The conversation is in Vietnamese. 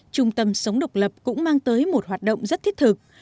trung tâm sống độc lập cũng mang tới một hoạt động rất thiết thực